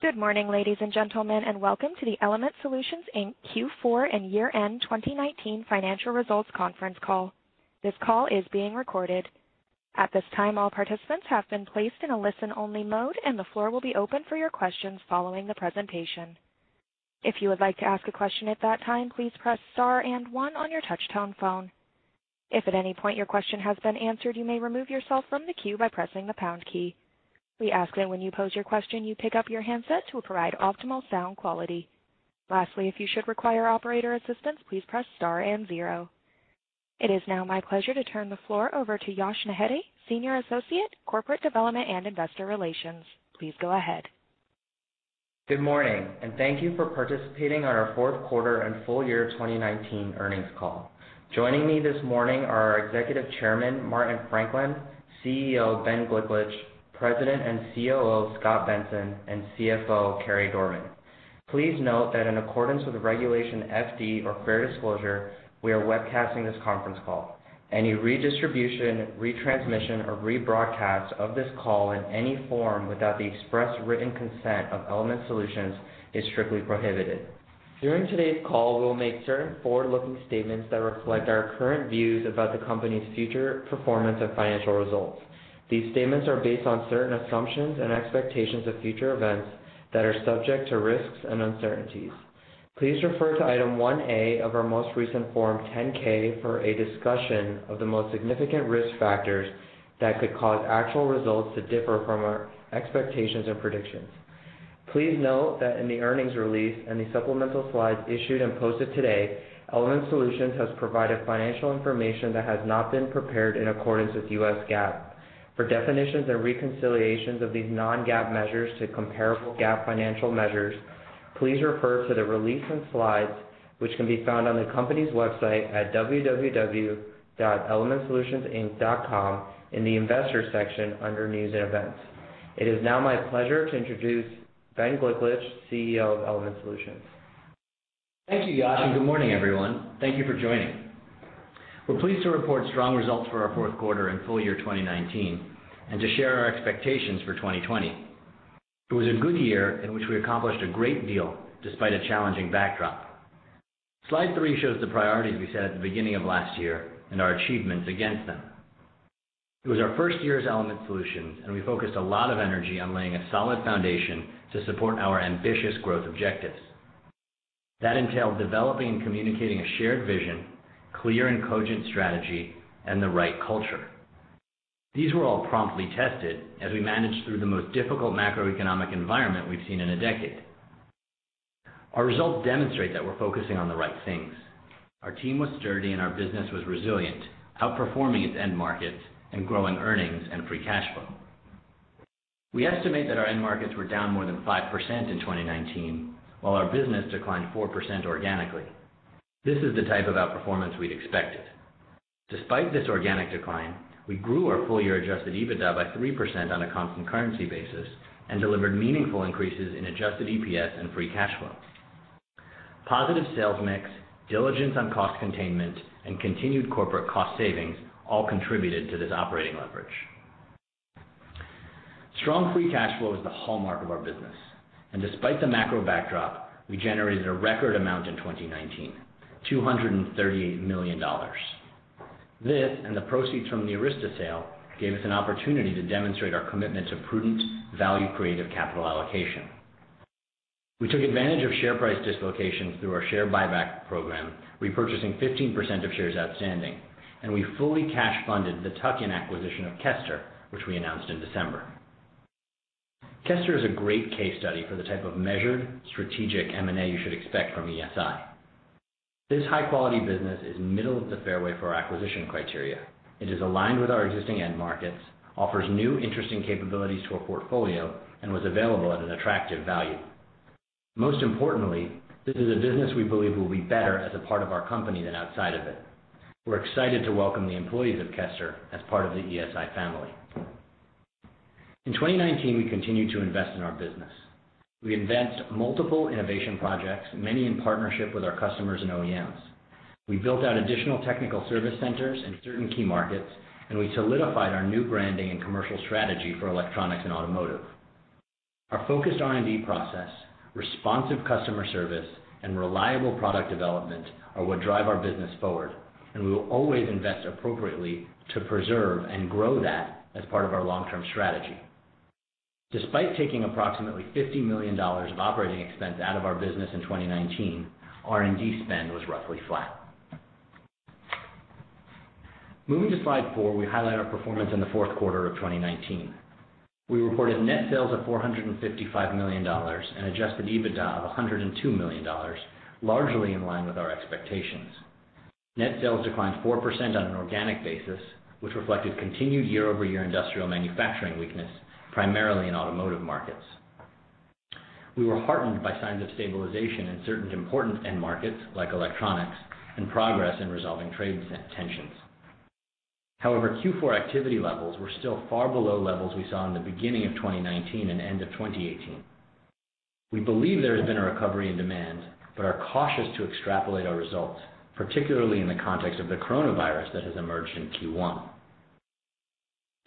Good morning, ladies and gentlemen, welcome to the Element Solutions Inc Q4 and year-end 2019 financial results conference call. This call is being recorded. At this time, all participants have been placed in a listen-only mode, and the floor will be open for your questions following the presentation. If you would like to ask a question at that time, please press star and one on your touch-tone phone. If at any point your question has been answered, you may remove yourself from the queue by pressing the pound key. We ask that when you pose your question, you pick up your handset to provide optimal sound quality. Lastly, if you should require operator assistance, please press star and zero. It is now my pleasure to turn the floor over to Yash Nahete, Senior Associate, Corporate Development and Investor Relations. Please go ahead. Good morning, and thank you for participating on our fourth quarter and full year 2019 earnings call. Joining me this morning are our Executive Chairman, Martin Franklin, CEO, Ben Gliklich, President and COO, Scot Benson, and CFO, Carey Dorman. Please note that in accordance with Regulation FD, or fair disclosure, we are webcasting this conference call. Any redistribution, retransmission, or rebroadcast of this call in any form without the express written consent of Element Solutions is strictly prohibited. During today's call, we will make certain forward-looking statements that reflect our current views about the company's future performance and financial results. These statements are based on certain assumptions and expectations of future events that are subject to risks and uncertainties. Please refer to Item 1A of our most recent Form 10-K for a discussion of the most significant risk factors that could cause actual results to differ from our expectations and predictions. Please note that in the earnings release and the supplemental slides issued and posted today, Element Solutions has provided financial information that has not been prepared in accordance with U.S. GAAP. For definitions and reconciliations of these non-GAAP measures to comparable GAAP financial measures, please refer to the release and slides, which can be found on the company's website at www.elementsolutionsinc.com in the Investors section under News and Events. It is now my pleasure to introduce Ben Gliklich, CEO of Element Solutions. Thank you, Yash, and good morning, everyone. Thank you for joining. We're pleased to report strong results for our fourth quarter and full year 2019, and to share our expectations for 2020. It was a good year in which we accomplished a great deal despite a challenging backdrop. Slide three shows the priorities we set at the beginning of last year and our achievements against them. It was our first year as Element Solutions, and we focused a lot of energy on laying a solid foundation to support our ambitious growth objectives. That entailed developing and communicating a shared vision, clear and cogent strategy, and the right culture. These were all promptly tested as we managed through the most difficult macroeconomic environment we've seen in a decade. Our results demonstrate that we're focusing on the right things. Our team was sturdy, and our business was resilient, outperforming its end markets and growing earnings and free cash flow. We estimate that our end markets were down more than 5% in 2019, while our business declined 4% organically. This is the type of outperformance we'd expected. Despite this organic decline, we grew our full-year adjusted EBITDA by 3% on a constant currency basis and delivered meaningful increases in adjusted EPS and free cash flow. Positive sales mix, diligence on cost containment, and continued corporate cost savings all contributed to this operating leverage. Strong free cash flow is the hallmark of our business, and despite the macro backdrop, we generated a record amount in 2019, $238 million. This, and the proceeds from the Arysta sale, gave us an opportunity to demonstrate our commitment to prudent, value-creative capital allocation. We took advantage of share price dislocations through our share buyback program, repurchasing 15% of shares outstanding, and we fully cash funded the tuck-in acquisition of Kester, which we announced in December. Kester is a great case study for the type of measured, strategic M&A you should expect from ESI. This high-quality business is middle of the fairway for our acquisition criteria. It is aligned with our existing end markets, offers new, interesting capabilities to our portfolio, and was available at an attractive value. Most importantly, this is a business we believe will be better as a part of our company than outside of it. We're excited to welcome the employees of Kester as part of the ESI family. In 2019, we continued to invest in our business. We advanced multiple innovation projects, many in partnership with our customers and OEMs. We built out additional technical service centers in certain key markets, and we solidified our new branding and commercial strategy for electronics and automotive. Our focused R&D process, responsive customer service, and reliable product development are what drive our business forward, and we will always invest appropriately to preserve and grow that as part of our long-term strategy. Despite taking approximately $50 million of operating expense out of our business in 2019, R&D spend was roughly flat. Moving to slide four, we highlight our performance in the fourth quarter of 2019. We reported net sales of $455 million and adjusted EBITDA of $102 million, largely in line with our expectations. Net sales declined 4% on an organic basis, which reflected continued year-over-year industrial manufacturing weakness, primarily in automotive markets. We were heartened by signs of stabilization in certain important end markets, like electronics, and progress in resolving trade tensions. However, Q4 activity levels were still far below levels we saw in the beginning of 2019 and end of 2018. We believe there has been a recovery in demand but are cautious to extrapolate our results, particularly in the context of the coronavirus that has emerged in Q1.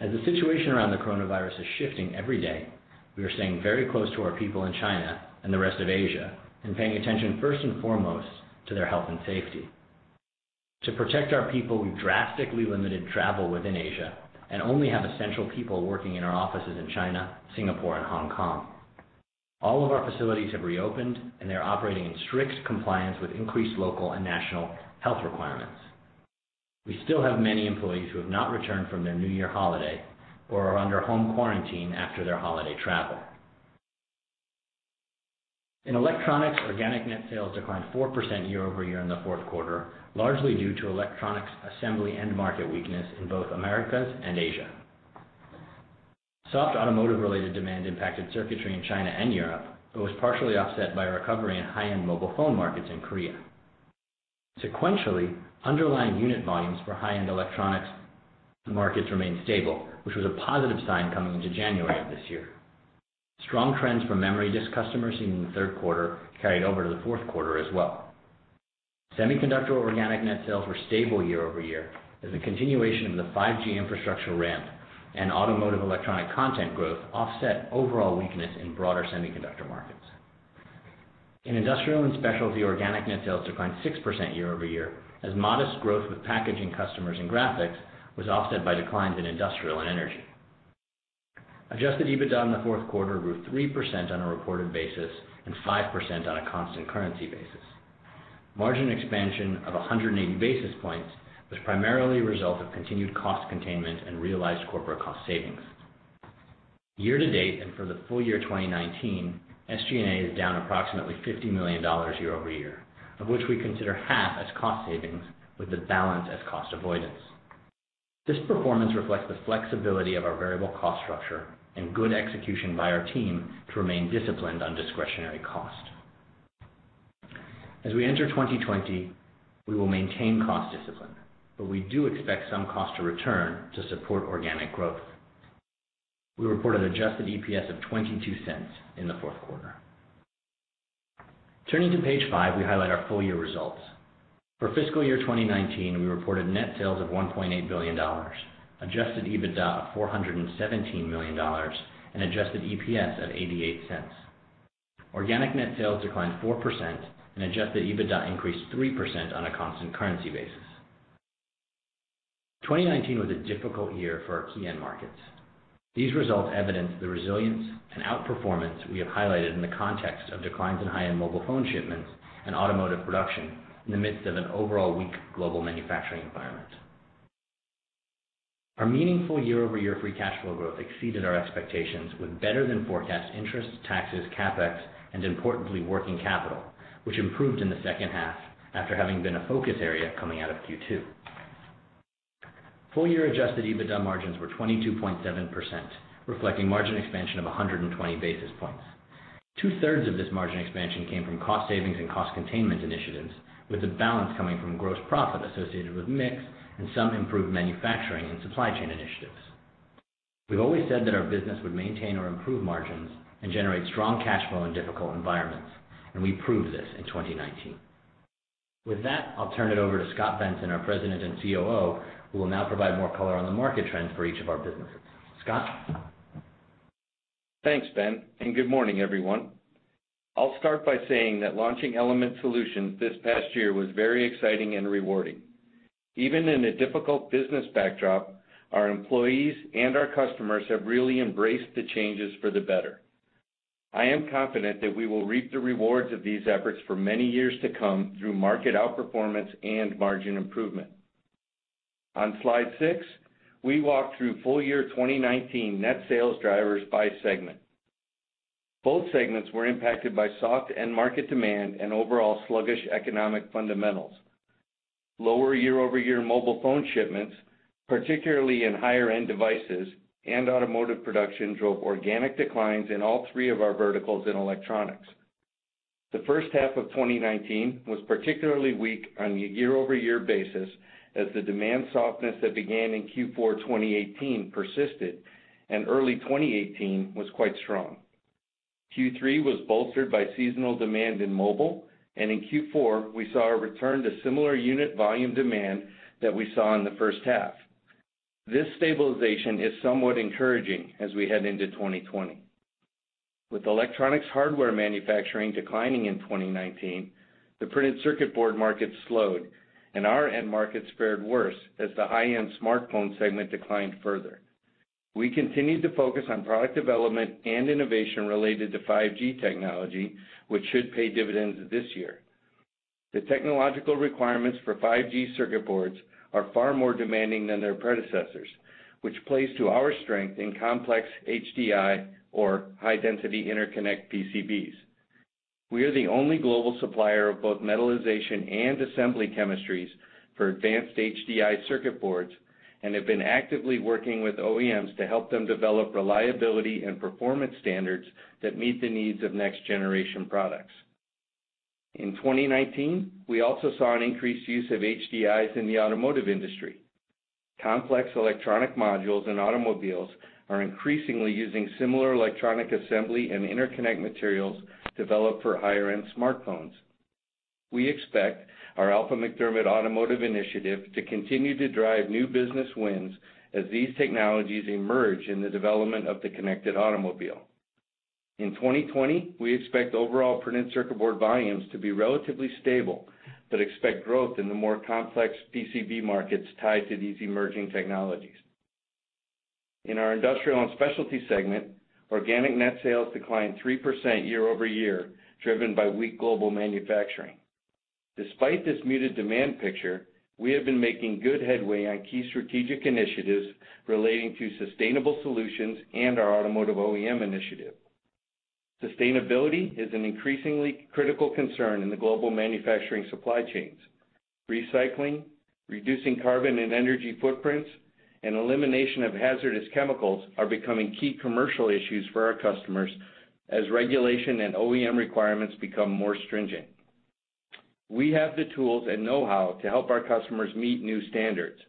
As the situation around the coronavirus is shifting every day, we are staying very close to our people in China and the rest of Asia, and paying attention first and foremost to their health and safety. To protect our people, we've drastically limited travel within Asia and only have essential people working in our offices in China, Singapore, and Hong Kong. All of our facilities have reopened, and they are operating in strict compliance with increased local and national health requirements. We still have many employees who have not returned from their New Year holiday or are under home quarantine after their holiday travel. In Electronics, organic net sales declined 4% year-over-year in the fourth quarter, largely due to electronics assembly end market weakness in both Americas and Asia. Soft automotive-related demand impacted circuitry in China and Europe, but was partially offset by a recovery in high-end mobile phone markets in Korea. Sequentially, underlying unit volumes for high-end electronics markets remained stable, which was a positive sign coming into January of this year. Strong trends from memory disk customers seen in the third quarter carried over to the fourth quarter as well. Semiconductor organic net sales were stable year-over-year as a continuation of the 5G infrastructure ramp, and automotive electronic content growth offset overall weakness in broader semiconductor markets. In Industrial & Specialty, organic net sales declined 6% year-over-year, as modest growth with packaging customers and graphics was offset by declines in industrial and energy. Adjusted EBITDA in the fourth quarter grew 3% on a reported basis and 5% on a constant currency basis. Margin expansion of 180 basis points was primarily a result of continued cost containment and realized corporate cost savings. Year-to-date and for the full year 2019, SG&A is down approximately $50 million year-over-year, of which we consider half as cost savings with the balance as cost avoidance. This performance reflects the flexibility of our variable cost structure and good execution by our team to remain disciplined on discretionary cost. As we enter 2020, we will maintain cost discipline, but we do expect some cost to return to support organic growth. We reported adjusted EPS of $0.22 in the fourth quarter. Turning to page five, we highlight our full-year results. For fiscal year 2019, we reported net sales of $1.8 billion, adjusted EBITDA of $417 million, and adjusted EPS of $0.88. Organic net sales declined 4%, and adjusted EBITDA increased 3% on a constant currency basis. 2019 was a difficult year for our key end markets. These results evidence the resilience and outperformance we have highlighted in the context of declines in high-end mobile phone shipments and automotive production in the midst of an overall weak global manufacturing environment. Our meaningful year-over-year free cash flow growth exceeded our expectations with better than forecast interest, taxes, CapEx, and importantly, working capital, which improved in the second half after having been a focus area coming out of Q2. Full-year adjusted EBITDA margins were 22.7%, reflecting margin expansion of 120 basis points. Two-thirds of this margin expansion came from cost savings and cost containment initiatives, with the balance coming from gross profit associated with mix and some improved manufacturing and supply chain initiatives. We've always said that our business would maintain or improve margins and generate strong cash flow in difficult environments, and we proved this in 2019. With that, I'll turn it over to Scot Benson, our President and COO, who will now provide more color on the market trends for each of our businesses. Scot? Thanks, Ben, and good morning, everyone. I'll start by saying that launching Element Solutions this past year was very exciting and rewarding. Even in a difficult business backdrop, our employees and our customers have really embraced the changes for the better. I am confident that we will reap the rewards of these efforts for many years to come through market outperformance and margin improvement. On slide six, we walk through full-year 2019 net sales drivers by segment. Both segments were impacted by soft end market demand and overall sluggish economic fundamentals. Lower year-over-year mobile phone shipments, particularly in higher-end devices, and automotive production drove organic declines in all three of our verticals in electronics. The first half of 2019 was particularly weak on a year-over-year basis as the demand softness that began in Q4 2018 persisted, and early 2018 was quite strong. Q3 was bolstered by seasonal demand in mobile, and in Q4, we saw a return to similar unit volume demand that we saw in the first half. This stabilization is somewhat encouraging as we head into 2020. With electronics hardware manufacturing declining in 2019, the printed circuit board market slowed, and our end markets fared worse as the high-end smartphone segment declined further. We continued to focus on product development and innovation related to 5G technology, which should pay dividends this year. The technological requirements for 5G circuit boards are far more demanding than their predecessors, which plays to our strength in complex HDI or high-density interconnect PCBs. We are the only global supplier of both metallization and assembly chemistries for advanced HDI circuit boards and have been actively working with OEMs to help them develop reliability and performance standards that meet the needs of next-generation products. In 2019, we also saw an increased use of HDIs in the automotive industry. Complex electronic modules in automobiles are increasingly using similar electronic assembly and interconnect materials developed for higher-end smartphones. We expect our MacDermid Alpha automotive initiative to continue to drive new business wins as these technologies emerge in the development of the connected automobile. In 2020, we expect overall printed circuit board volumes to be relatively stable, but expect growth in the more complex PCB markets tied to these emerging technologies. In our Industrial & Specialty segment, organic net sales declined 3% year-over-year, driven by weak global manufacturing. Despite this muted demand picture, we have been making good headway on key strategic initiatives relating to sustainable solutions and our automotive OEM initiative. Sustainability is an increasingly critical concern in the global manufacturing supply chains. Recycling, reducing carbon and energy footprints, and elimination of hazardous chemicals are becoming key commercial issues for our customers as regulation and OEM requirements become more stringent. We have the tools and know-how to help our customers meet new standards.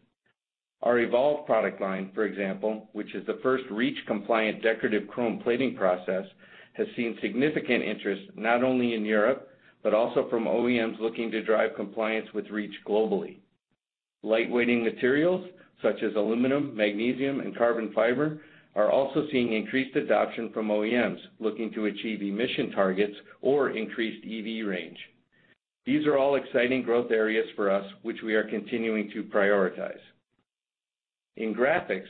Our evolve product line, for example, which is the first REACH-compliant decorative chrome plating process, has seen significant interest not only in Europe, but also from OEMs looking to drive compliance with REACH globally. Light-weighting materials such as aluminum, magnesium, and carbon fiber are also seeing increased adoption from OEMs looking to achieve emission targets or increased EV range. These are all exciting growth areas for us, which we are continuing to prioritize. In graphics,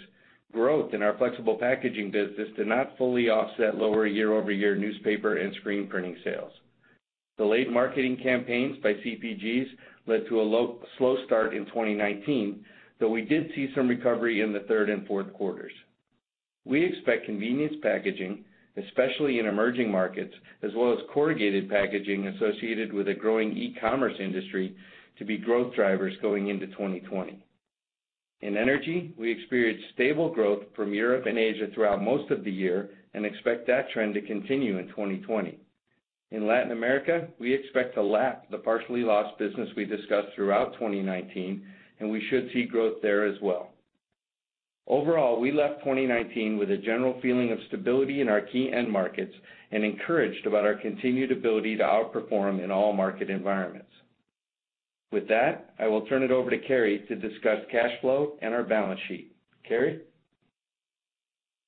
growth in our flexible packaging business did not fully offset lower year-over-year newspaper and screen printing sales. Delayed marketing campaigns by CPGs led to a slow start in 2019, though we did see some recovery in the third and fourth quarters. We expect convenience packaging, especially in emerging markets, as well as corrugated packaging associated with a growing e-commerce industry, to be growth drivers going into 2020. In energy, we experienced stable growth from Europe and Asia throughout most of the year and expect that trend to continue in 2020. In Latin America, we expect to lap the partially lost business we discussed throughout 2019, and we should see growth there as well. Overall, we left 2019 with a general feeling of stability in our key end markets and encouraged about our continued ability to outperform in all market environments. With that, I will turn it over to Carey to discuss cash flow and our balance sheet. Carey?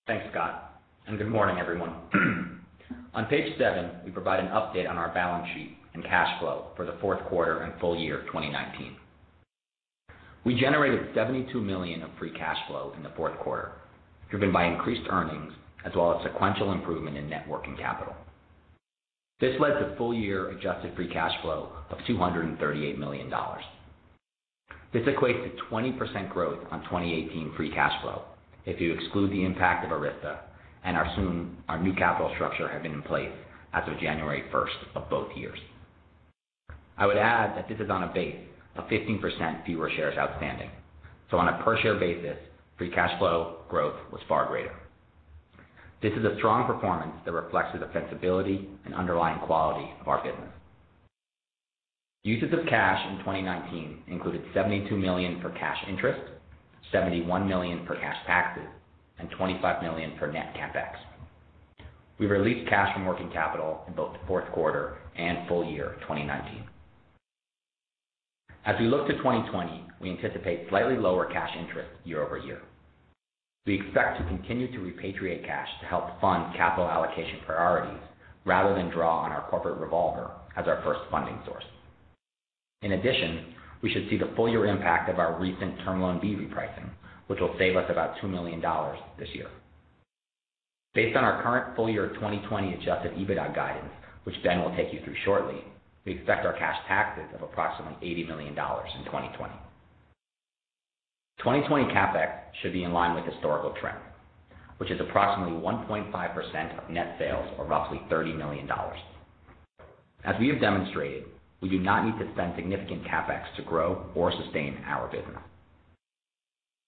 Thanks, Scot, and good morning, everyone. On page seven, we provide an update on our balance sheet and cash flow for the fourth quarter and full year of 2019. We generated $72 million of free cash flow in the fourth quarter, driven by increased earnings as well as sequential improvement in net working capital. This led to full year adjusted free cash flow of $238 million. This equates to 20% growth on 2018 free cash flow if you exclude the impact of Arysta and assume our new capital structure had been in place as of January 1st of both years. I would add that this is on a base of 15% fewer shares outstanding. On a per-share basis, free cash flow growth was far greater. This is a strong performance that reflects the defensibility and underlying quality of our business. Uses of cash in 2019 included $72 million for cash interest, $71 million for cash taxes, and $25 million for net CapEx. We released cash from working capital in both the fourth quarter and full year of 2019. As we look to 2020, we anticipate slightly lower cash interest year-over-year. We expect to continue to repatriate cash to help fund capital allocation priorities rather than draw on our corporate revolver as our first funding source. In addition, we should see the full year impact of our recent Term Loan B repricing, which will save us about $2 million this year. Based on our current full year 2020 adjusted EBITDA guidance, which Ben will take you through shortly, we expect our cash taxes of approximately $80 million in 2020. 2020 CapEx should be in line with historical trend, which is approximately 1.5% of net sales or roughly $30 million. As we have demonstrated, we do not need to spend significant CapEx to grow or sustain our business.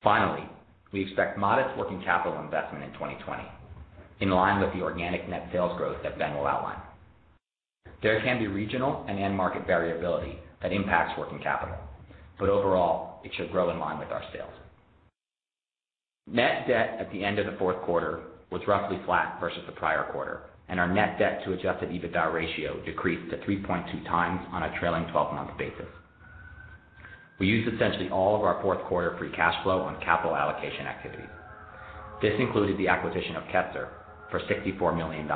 Finally, we expect modest working capital investment in 2020, in line with the organic net sales growth that Ben will outline. There can be regional and end market variability that impacts working capital, but overall, it should grow in line with our sales. Net debt at the end of the fourth quarter was roughly flat versus the prior quarter, and our net debt to adjusted EBITDA ratio decreased to 3.2x on a trailing 12-month basis. We used essentially all of our fourth quarter free cash flow on capital allocation activities. This included the acquisition of Kester for $64 million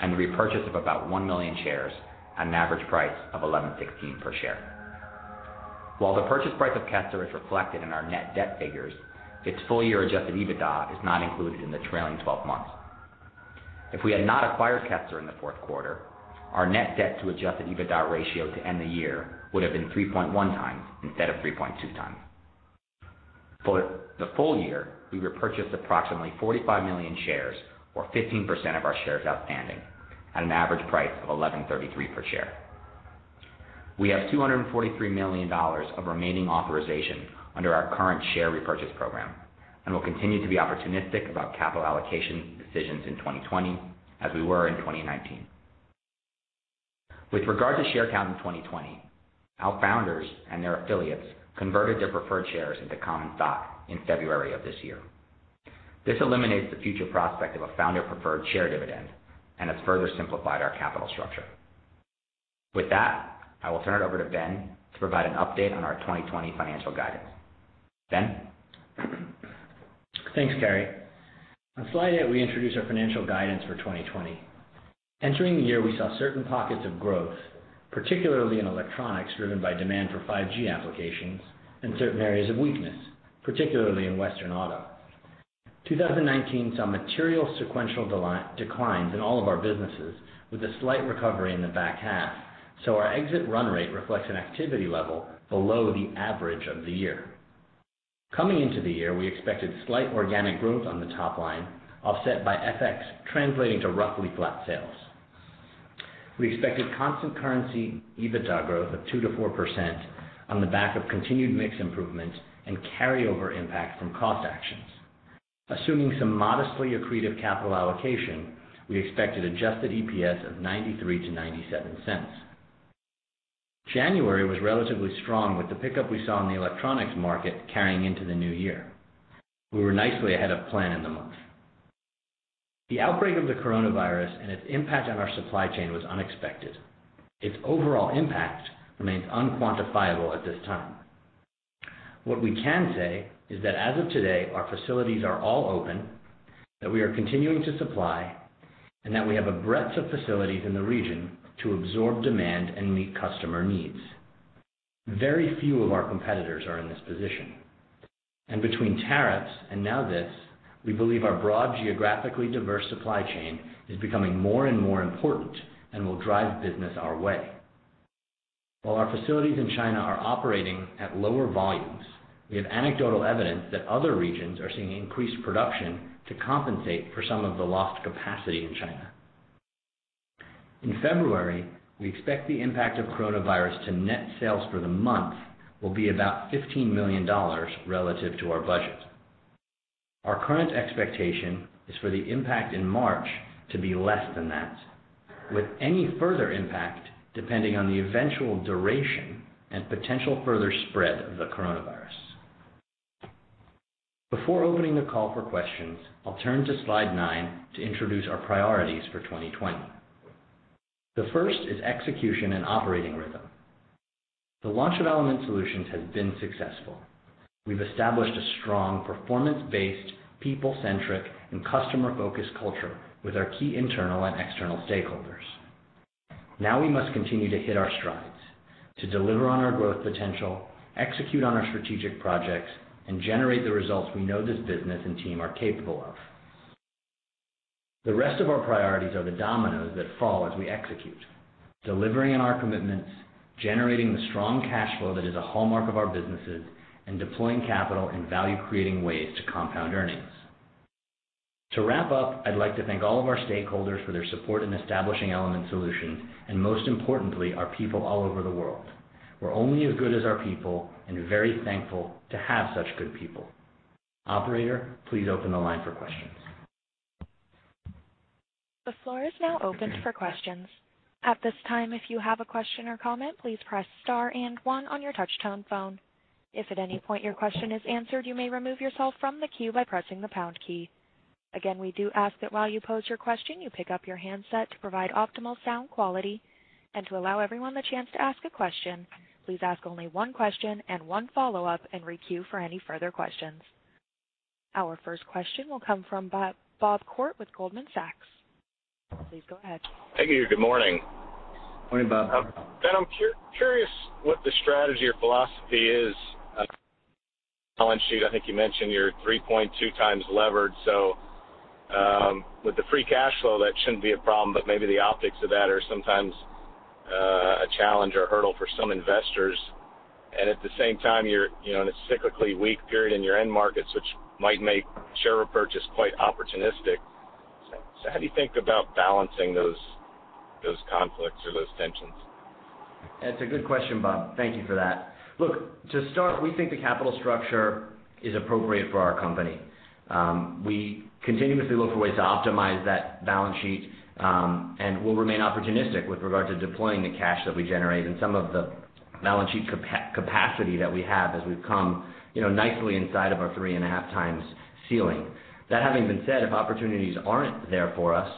and the repurchase of about 1 million shares at an average price of $11.16 per share. While the purchase price of Kester is reflected in our net debt figures, its full-year adjusted EBITDA is not included in the trailing 12 months. If we had not acquired Kester in the fourth quarter, our net debt to adjusted EBITDA ratio to end the year would have been 3.1x instead of 3.2x. For the full year, we repurchased approximately 45 million shares, or 15% of our shares outstanding, at an average price of $11.33 per share. We have $243 million of remaining authorization under our current share repurchase program and will continue to be opportunistic about capital allocation decisions in 2020 as we were in 2019. With regard to share count in 2020, our founders and their affiliates converted their preferred shares into common stock in February of this year. This eliminates the future prospect of a founder preferred share dividend and has further simplified our capital structure. With that, I will turn it over to Ben to provide an update on our 2020 financial guidance. Ben? Thanks, Carey. On slide eight, we introduce our financial guidance for 2020. Entering the year, we saw certain pockets of growth, particularly in electronics, driven by demand for 5G applications and certain areas of weakness, particularly in Western auto. 2019 saw material sequential declines in all of our businesses, with a slight recovery in the back half. Our exit run rate reflects an activity level below the average of the year. Coming into the year, we expected slight organic growth on the top line, offset by FX translating to roughly flat sales. We expected constant currency EBITDA growth of 2%-4% on the back of continued mix improvements and carryover impact from cost actions. Assuming some modestly accretive capital allocation, we expected adjusted EPS of $0.93-$0.97. January was relatively strong with the pickup we saw in the electronics market carrying into the new year. We were nicely ahead of plan in the month. The outbreak of the coronavirus and its impact on our supply chain was unexpected. Its overall impact remains unquantifiable at this time. What we can say is that as of today, our facilities are all open, that we are continuing to supply, and that we have a breadth of facilities in the region to absorb demand and meet customer needs. Very few of our competitors are in this position, and between tariffs and now this, we believe our broad, geographically diverse supply chain is becoming more and more important and will drive business our way. While our facilities in China are operating at lower volumes, we have anecdotal evidence that other regions are seeing increased production to compensate for some of the lost capacity in China. In February, we expect the impact of coronavirus to net sales for the month will be about $15 million relative to our budget. Our current expectation is for the impact in March to be less than that, with any further impact depending on the eventual duration and potential further spread of the coronavirus. Before opening the call for questions, I'll turn to slide nine to introduce our priorities for 2020. The first is execution and operating rhythm. The launch of Element Solutions has been successful. We've established a strong performance-based, people-centric, and customer-focused culture with our key internal and external stakeholders. Now we must continue to hit our strides to deliver on our growth potential, execute on our strategic projects, and generate the results we know this business and team are capable of. The rest of our priorities are the dominoes that fall as we execute, delivering on our commitments, generating the strong cash flow that is a hallmark of our businesses, and deploying capital in value-creating ways to compound earnings. To wrap up, I'd like to thank all of our stakeholders for their support in establishing Element Solutions and most importantly, our people all over the world. We're only as good as our people and very thankful to have such good people. Operator, please open the line for questions. The floor is now open for questions. At this time, if you have a question or comment, please press star and one on your touchtone phone. If at any point your question is answered, you may remove yourself from the queue by pressing the pound key. Again, we do ask that while you pose your question, you pick up your handset to provide optimal sound quality. To allow everyone the chance to ask a question, please ask only one question and one follow-up and re-queue for any further questions. Our first question will come from Bob Koort with Goldman Sachs. Please go ahead. Thank you. Good morning. Morning, Bob. Ben, I'm curious what the strategy or philosophy is. On the balance sheet, I think you mentioned you're 3.2x levered. With the free cash flow, that shouldn't be a problem, but maybe the optics of that are sometimes a challenge or hurdle for some investors. At the same time, you're in a cyclically weak period in your end markets, which might make share repurchase quite opportunistic. How do you think about balancing those conflicts or those tensions? That's a good question, Bob. Thank you for that. Look, to start, we think the capital structure is appropriate for our company. We continuously look for ways to optimize that balance sheet, and we'll remain opportunistic with regard to deploying the cash that we generate and some of the balance sheet capacity that we have as we've come nicely inside of our 3.5x ceiling. That having been said, if opportunities aren't there for us,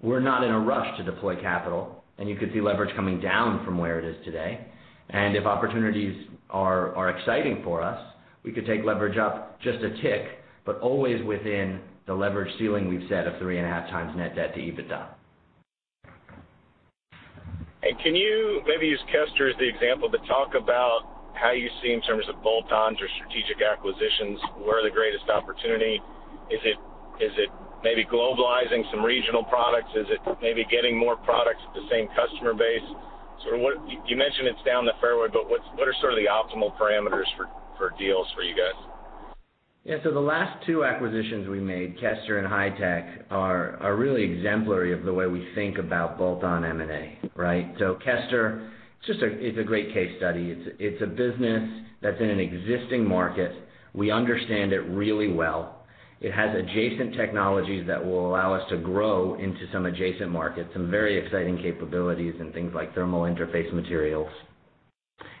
we're not in a rush to deploy capital, and you could see leverage coming down from where it is today. If opportunities are exciting for us, we could take leverage up just a tick, but always within the leverage ceiling we've set of 3.5x net debt to EBITDA. Can you maybe use Kester as the example, but talk about how you see in terms of bolt-ons or strategic acquisitions, where are the greatest opportunity? Is it maybe globalizing some regional products? Is it maybe getting more products at the same customer base? You mentioned it's down the fairway, but what are sort of the optimal parameters for deals for you guys? Yeah. The last two acquisitions we made, Kester and HiTech are really exemplary of the way we think about bolt-on M&A, right? Kester, it's a great case study. It's a business that's in an existing market. We understand it really well. It has adjacent technologies that will allow us to grow into some adjacent markets, some very exciting capabilities in things like thermal interface materials.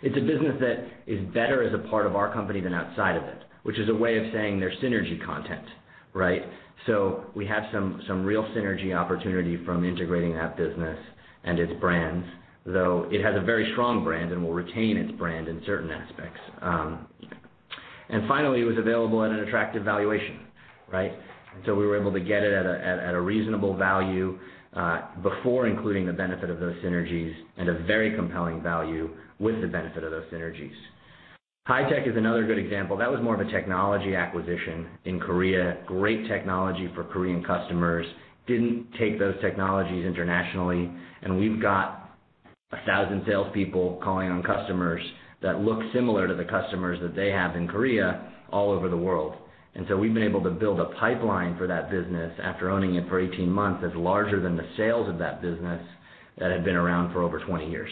It's a business that is better as a part of our company than outside of it, which is a way of saying they're synergy content. We have some real synergy opportunity from integrating that business and its brands, though it has a very strong brand and will retain its brand in certain aspects. Finally, it was available at an attractive valuation. We were able to get it at a reasonable value, before including the benefit of those synergies, and a very compelling value with the benefit of those synergies. HiTech is another good example. That was more of a technology acquisition in Korea. Great technology for Korean customers. Didn't take those technologies internationall and we've got 1,000 salespeople calling on customers that look similar to the customers that they have in Korea all over the world. We've been able to build a pipeline for that business, after owning it for 18 months, that's larger than the sales of that business that had been around for over 20 years.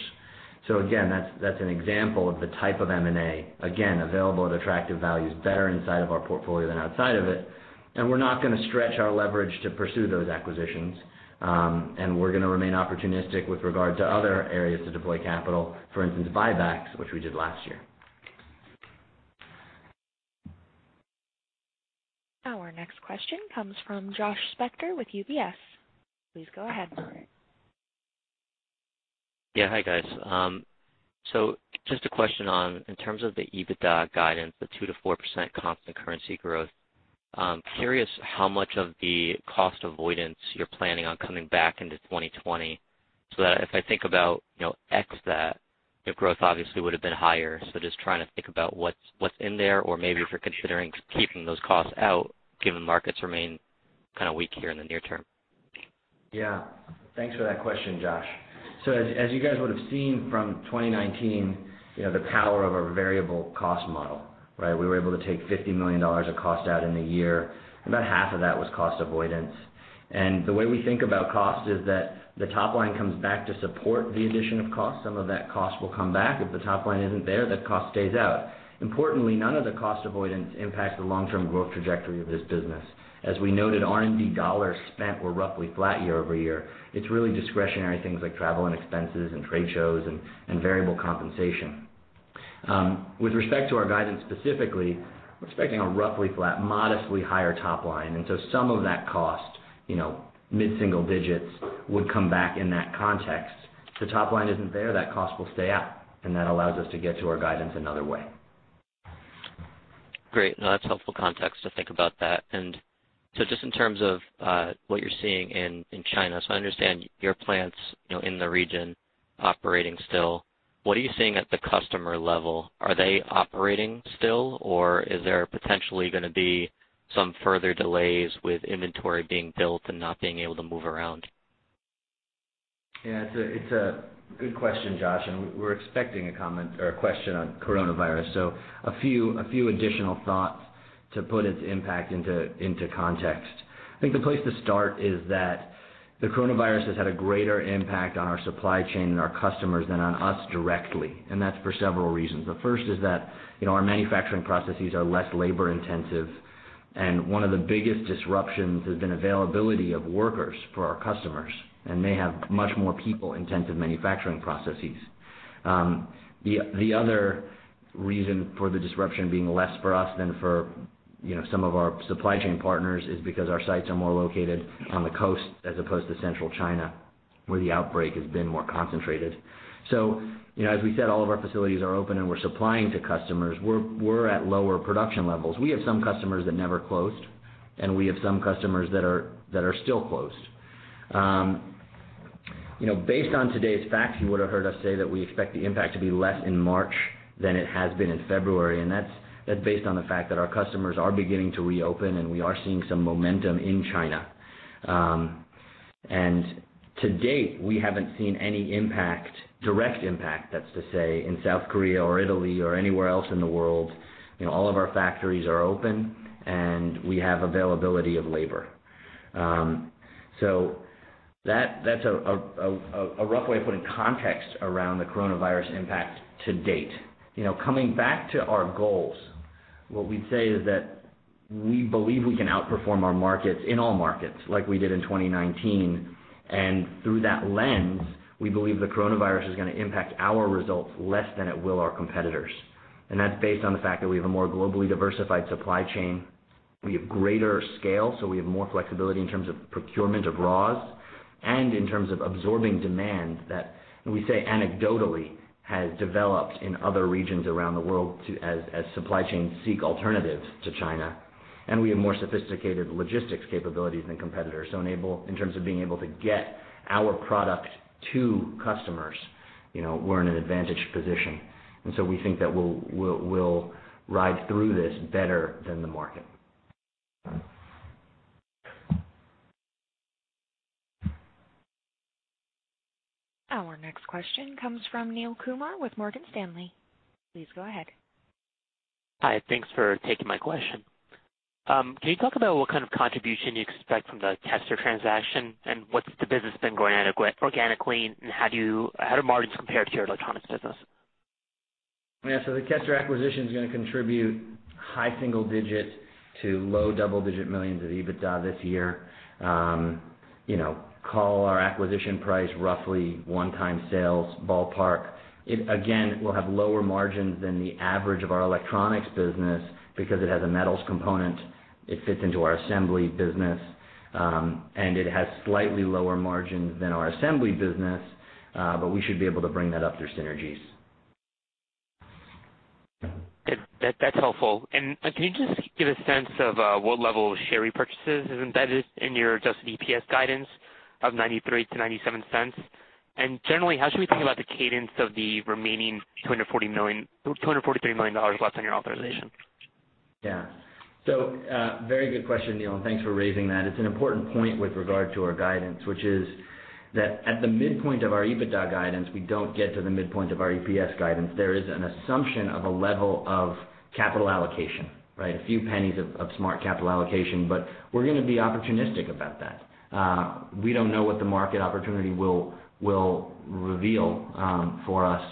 Again, that's an example of the type of M&A, again, available at attractive values, better inside of our portfolio than outside of it, and we're not going to stretch our leverage to pursue those acquisitions. We're going to remain opportunistic with regard to other areas to deploy capital, for instance, buybacks, which we did last year. Our next question comes from Josh Spector with UBS. Please go ahead. Yeah. Hi, guys. Just a question on, in terms of the adjusted EBITDA guidance, the 2%-4% constant currency growth, I'm curious how much of the cost avoidance you're planning on coming back into 2020, so that if I think about ex that, the growth obviously would've been higher. Just trying to think about what's in there, or maybe if you're considering keeping those costs out, given markets remain kind of weak here in the near term. Yeah. Thanks for that question, Josh. As you guys would've seen from 2019, the power of our variable cost model. We were able to take $50 million of cost out in the year. About half of that was cost avoidance. The way we think about cost is that the top line comes back to support the addition of cost. Some of that cost will come back. If the top line isn't there, that cost stays out. Importantly, none of the cost avoidance impacts the long-term growth trajectory of this business. As we noted, R&D dollars spent were roughly flat year-over-year. It's really discretionary things like travel and expenses and trade shows and variable compensation. With respect to our guidance specifically, we're expecting a roughly flat, modestly higher top line, and some of that cost, mid-single digits, would come back in that context. If the top line isn't there, that cost will stay out. That allows us to get to our guidance another way. Great. No, that's helpful context to think about that. Just in terms of what you're seeing in China, so I understand your plant's in the region operating still. What are you seeing at the customer level? Are they operating still, or is there potentially going to be some further delays with inventory being built and not being able to move around? Yeah. It's a good question, Josh, we were expecting a question on coronavirus. A few additional thoughts to put its impact into context. I think the place to start is that the coronavirus has had a greater impact on our supply chain and our customers than on us directly, and that's for several reasons. The first is that our manufacturing processes are less labor-intensive, and one of the biggest disruptions has been availability of workers for our customers, and they have much more people-intensive manufacturing processes. The other reason for the disruption being less for us than for some of our supply chain partners is because our sites are more located on the coast as opposed to central China, where the outbreak has been more concentrated. As we said, all of our facilities are open, and we're supplying to customers. We're at lower production levels. We have some customers that never closed, and we have some customers that are still closed. Based on today's facts, you would've heard us say that we expect the impact to be less in March than it has been in February, and that's based on the fact that our customers are beginning to reopen, and we are seeing some momentum in China. To date, we haven't seen any direct impact, that's to say, in South Korea or Italy or anywhere else in the world. All of our factories are open, and we have availability of labor. That's a rough way of putting context around the coronavirus impact to date. Coming back to our goals, what we'd say is that we believe we can outperform our markets in all markets like we did in 2019. Through that lens, we believe the coronavirus is going to impact our results less than it will our competitors and that's based on the fact that we have a more globally diversified supply chain. We have greater scale, so we have more flexibility in terms of procurement of raws and in terms of absorbing demand that we say anecdotally has developed in other regions around the world as supply chains seek alternatives to China. We have more sophisticated logistics capabilities than competitors. In terms of being able to get our product to customers, we're in an advantaged position and so we think that we'll ride through this better than the market. Our next question comes from Neel Kumar with Morgan Stanley. Please go ahead. Hi. Thanks for taking my question. Can you talk about what kind of contribution you expect from the Kester transaction, what's the business been growing organically, and how do margins compare to your electronics business? Yeah. The Kester acquisition's going to contribute high single-digit to low double-digit millions of EBITDA this year, call our acquisition price roughly one-time sales ballpark. It again will have lower margins than the average of our electronics business because it has a metals component, it fits into our assembly business, and it has slightly lower margins than our assembly business, but we should be able to bring that up through synergies. That's helpful. Can you just give a sense of what level of share repurchases is embedded in your adjusted EPS guidance of $0.93-$0.97 and generally, how should we think about the cadence of the remaining $243 million left on your authorization? Yeah. Very good question, Neel, and thanks for raising that and it's an important point with regard to our guidance, which is that at the midpoint of our EBITDA guidance, we don't get to the midpoint of our EPS guidance. There is an assumption of a level of capital allocation, right? A few pennies of smart capital allocation but we're going to be opportunistic about that. We don't know what the market opportunity will reveal for us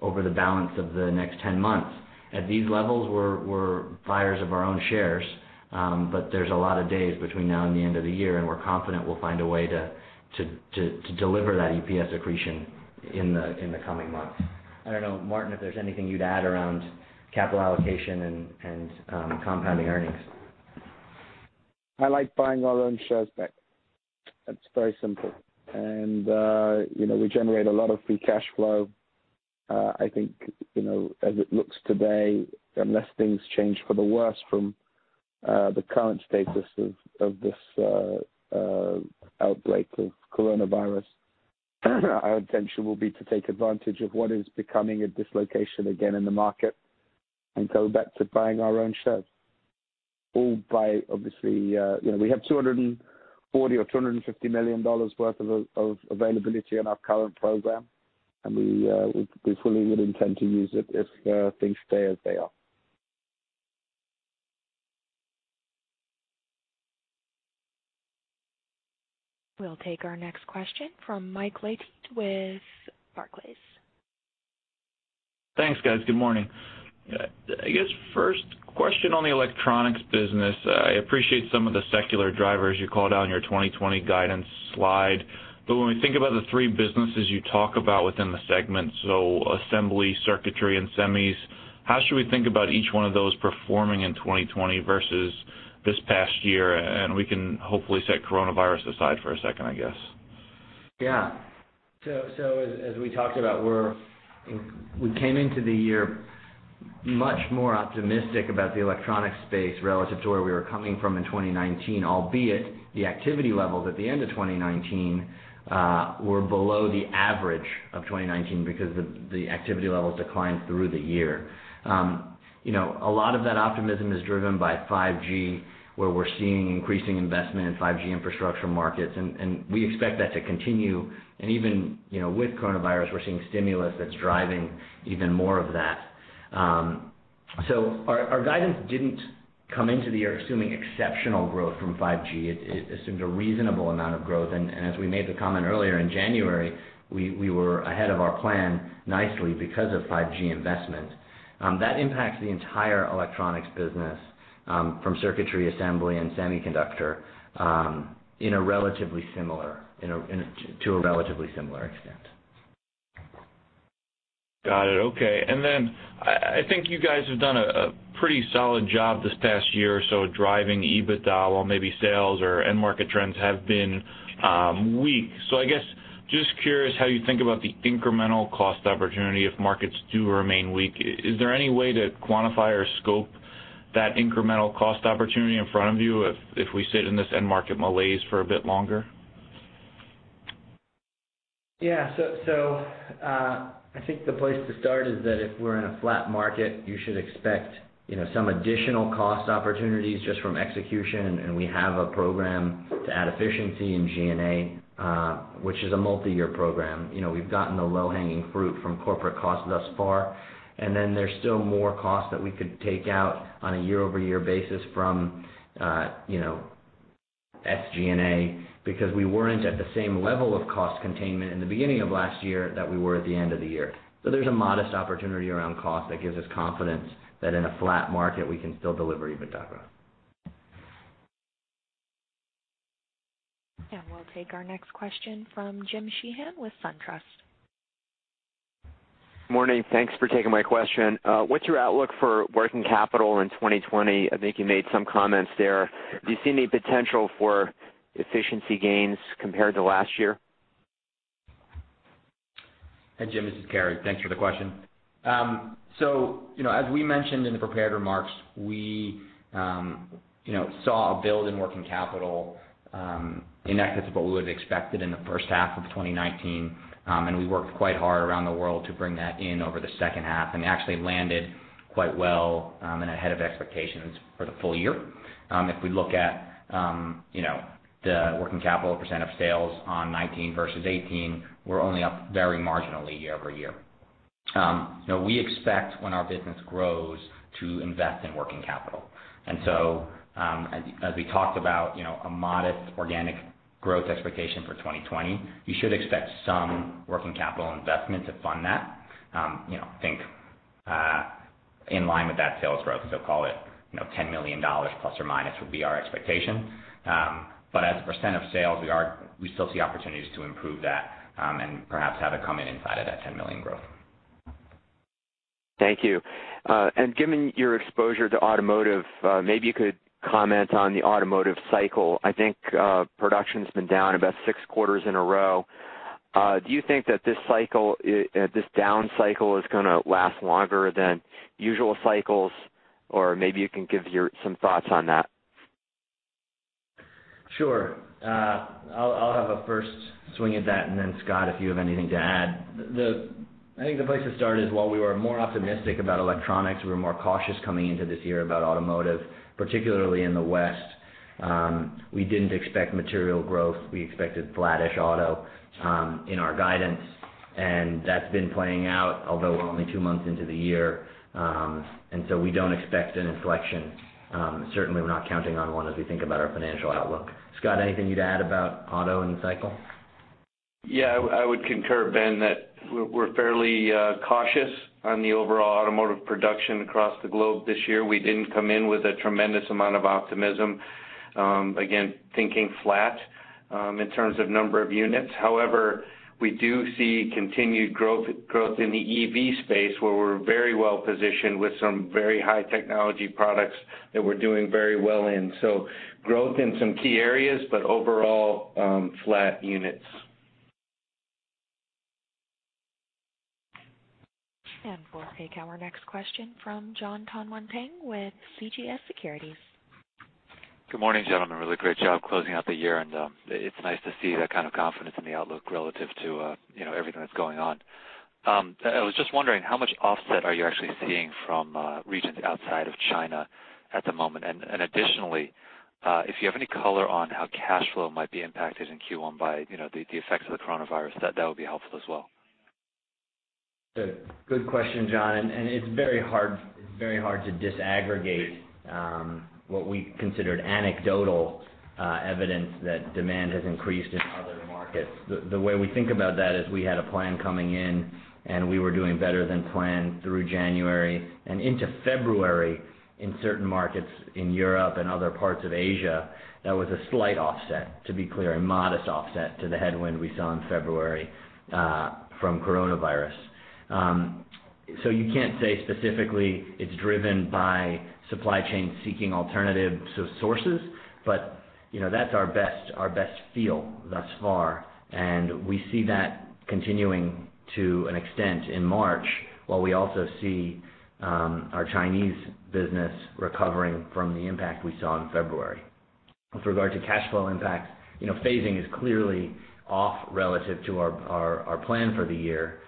over the balance of the next 10 months. At these levels, we're buyers of our own shares, but there's a lot of days between now and the end of the year, and we're confident we'll find a way to deliver that EPS accretion in the coming months. I don't know, Martin, if there's anything you'd add around capital allocation and compounding earnings. I like buying our own shares back. It's very simple. We generate a lot of free cash flow. I think, as it looks today, unless things change for the worse from the current status of this outbreak of coronavirus, our intention will be to take advantage of what is becoming a dislocation again in the market and go back to buying our own shares. We have $240 million or $250 million worth of availability on our current program, and we fully would intend to use it if things stay as they are. We'll take our next question from Mike Leithead with Barclays. Thanks, guys. Good morning. I guess first question on the electronics business. I appreciate some of the secular drivers you called out in your 2020 guidance slide. When we think about the three businesses you talk about within the segment, so assembly, circuitry, and semis, how should we think about each one of those performing in 2020 versus this past year and we can hopefully set coronavirus aside for a second, I guess. As we talked about, we came into the year much more optimistic about the electronics space relative to where we were coming from in 2019, albeit the activity levels at the end of 2019 were below the average of 2019 because the activity levels declined through the year. A lot of that optimism is driven by 5G, where we're seeing increasing investment in 5G infrastructure markets, and we expect that to continue. Even with coronavirus, we're seeing stimulus that's driving even more of that. Our guidance didn't come into the year assuming exceptional growth from 5G. It assumed a reasonable amount of growth. As we made the comment earlier in January, we were ahead of our plan nicely because of 5G investment. That impacts the entire electronics business from circuitry assembly and semiconductor to a relatively similar extent. Got it. Okay. And then I think you guys have done a pretty solid job this past year or so driving EBITDA while maybe sales or end market trends have been weak. I guess, just curious how you think about the incremental cost opportunity if markets do remain weak. Is there any way to quantify or scope that incremental cost opportunity in front of you if we sit in this end market malaise for a bit longer? Yeah. I think the place to start is that if we're in a flat market, you should expect some additional cost opportunities just from execution, and we have a program to add efficiency in G&A, which is a multi-year program. We've gotten the low-hanging fruit from corporate costs thus far and then there's still more cost that we could take out on a year-over-year basis from SG&A, because we weren't at the same level of cost containment in the beginning of last year that we were at the end of the year. There's a modest opportunity around cost that gives us confidence that in a flat market, we can still deliver EBITDA growth. We'll take our next question from Jim Sheehan with SunTrust. Morning. Thanks for taking my question. What's your outlook for working capital in 2020? I think you made some comments there. Do you see any potential for efficiency gains compared to last year? Hey, Jim, this is Carey. Thanks for the question. As we mentioned in the prepared remarks, we saw a build in working capital, in excess of what we would have expected in the first half of 2019, and we worked quite hard around the world to bring that in over the second half and actually landed quite well and ahead of expectations for the full year. If we look at the working capital percent of sales on 2019 versus 2018, we're only up very marginally year-over-year. We expect when our business grows to invest in working capital. And so as we talked about a modest organic growth expectation for 2020, you should expect some working capital investment to fund that. In line with that sales growth, call it $10 million ± would be our expectation. As a percent of sales, we still see opportunities to improve that, and perhaps have it come in inside of that $10 million growth. Thank you. Given your exposure to automotive, maybe you could comment on the automotive cycle. I think production's been down about six quarters in a row. Do you think that this down cycle is going to last longer than usual cycles or maybe you can give some thoughts on that. Sure. I'll have a first swing at that, and then Scot, if you have anything to add. I think the place to start is while we were more optimistic about Electronics, we were more cautious coming into this year about automotive, particularly in the West. We didn't expect material growth. We expected flattish auto in our guidance, and that's been playing out, although we're only two months into the year. We don't expect an inflection. Certainly, we're not counting on one as we think about our financial outlook. Scot, anything you'd add about auto and the cycle? Yeah, I would concur, Ben, that we're fairly cautious on the overall automotive production across the globe this year. We didn't come in with a tremendous amount of optimism. Again, thinking flat in terms of number of units. However, we do see continued growth in the EV space, where we're very well-positioned with some very high technology products that we're doing very well in. Growth in some key areas, but overall flat units. We'll take our next question from Jon Tanwanteng with CJS Securities. Good morning, gentlemen. Really great job closing out the year, and it's nice to see that kind of confidence in the outlook relative to everything that's going on. I was just wondering how much offset are you actually seeing from regions outside of China at the moment. Additionally, if you have any color on how cash flow might be impacted in Q1 by the effects of the coronavirus, that would be helpful as well. Good question, Jon, and it's very hard to disaggregate what we considered anecdotal evidence that demand has increased in other markets. The way we think about that is we had a plan coming in, and we were doing better than planned through January and into February in certain markets in Europe and other parts of Asia. That was a slight offset, to be clear, a modest offset to the headwind we saw in February from coronavirus. You can't say specifically it's driven by supply chain seeking alternative sources, but that's our best feel thus far. We see that continuing to an extent in March, while we also see our Chinese business recovering from the impact we saw in February. With regard to cash flow impact, phasing is clearly off relative to our plan for the year.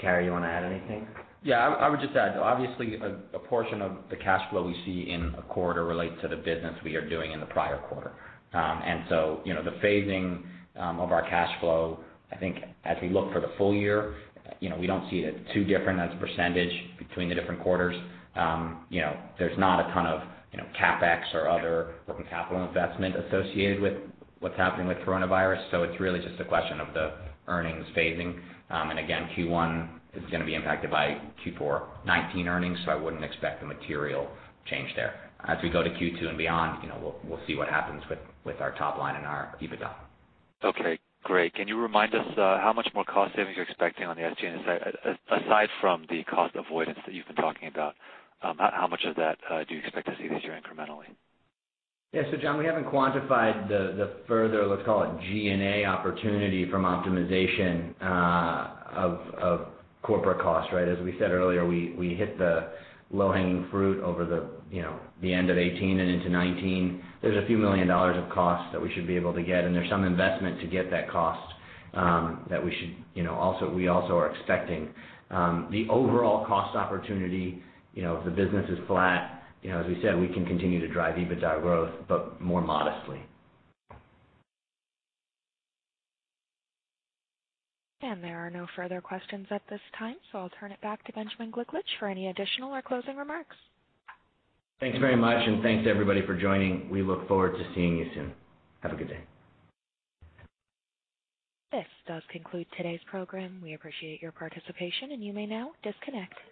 Carey, you want to add anything? Yeah, I would just add, obviously, a portion of the cash flow we see in a quarter relates to the business we are doing in the prior quarter and so the phasing of our cash flow, I think as we look for the full year, we don't see it too different as a percentage between the different quarters. There's not a ton of CapEx or other working capital investment associated with what's happening with coronavirus so it's really just a question of the earnings phasing. Again, Q1 is going to be impacted by Q4 2019 earnings. I wouldn't expect a material change there. As we go to Q2 and beyond, we'll see what happens with our top line and our EBITDA. Okay, great. Can you remind us how much more cost savings you're expecting on the SG&A side, aside from the cost avoidance that you've been talking about? How much of that do you expect to see this year incrementally? Yeah. Jon, we haven't quantified the further, let's call it G&A opportunity from optimization of corporate costs, right? As we said earlier, we hit the low-hanging fruit over the end of 2018 and into 2019. There's a few million dollars of costs that we should be able to get, and there's some investment to get that cost that we also are expecting. The overall cost opportunity, if the business is flat, as we said, we can continue to drive EBITDA growth, but more modestly. There are no further questions at this time so I'll turn it back to Benjamin Gliklich for any additional or closing remarks. Thanks very much and thanks everybody for joining. We look forward to seeing you soon. Have a good day. This does conclude today's program. We appreciate your participation, and you may now disconnect.